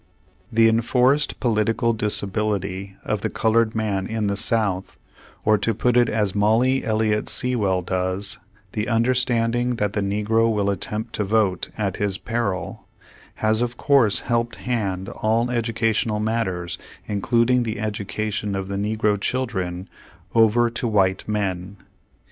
The enforced political disability of the colored man in the South, or to put it as Molly Elliot Sea well does,' the understanding that the negro will attempt to vote "at liis peril," has of course helped hand all educational matters including the educa tion of the negro children over to white men.